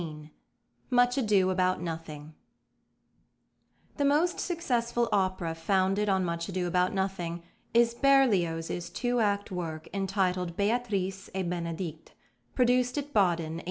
MUCH ADO ABOUT NOTHING The most successful opera founded on Much Ado About Nothing is +Berlioz's+ two act work entitled Béatrice et Bénédict, produced at Baden, 1862.